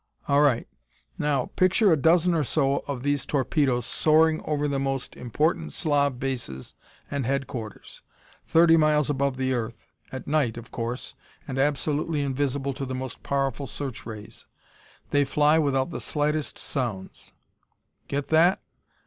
All right. Now, picture a dozen or so of these torpedoes soaring over the most important Slav bases and headquarters, thirty miles above the earth, at night, of course, and absolutely invisible to the most powerful search rays. They fly without the slightest sounds. Get that?